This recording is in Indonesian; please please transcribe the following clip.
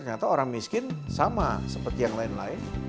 ternyata orang miskin sama seperti yang lain lain